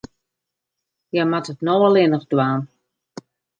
Hja moat it no allinnich dwaan.